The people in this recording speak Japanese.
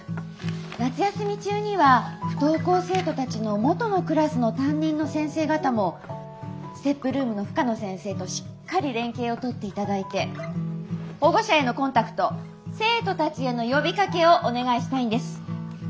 夏休み中には不登校生徒たちの元のクラスの担任の先生方もＳＴＥＰルームの深野先生としっかり連携をとっていただいて保護者へのコンタクト生徒たちへの呼びかけをお願いしたいんです。